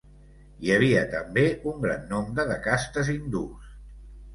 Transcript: Hi havia també un gran nombre de castes hindús.